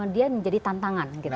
dia menjadi tantangan